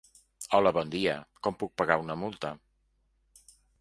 Hola bon dia com puc pagar una multa.